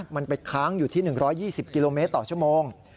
มันไปค้างอยู่ที่๑๒๐กิโลเมตรต่อชั่วโมง